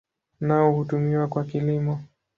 Nao hutumiwa kwa kilimo.